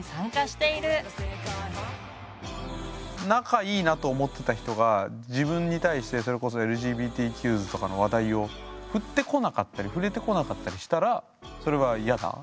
仲いいなと思ってた人が自分に対してそれこそＬＧＢＴＱｓとかの話題を振ってこなかったり触れてこなかったりしたらそれはやだ？